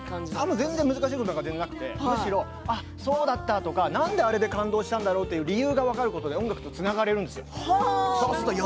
全然難しいことなんてなくてむしろそうだったんだとかとか何であれで感動したんだろうと理由が分かることで音楽とつながれるんですよ。